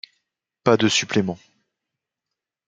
Pas de suppléments.